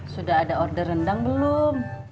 sudah ada order rendang belum